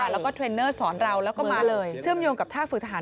แล้วก็เทรนเนอร์สอนเราแล้วก็มาเชื่อมโยงกับท่าฝึกทหาร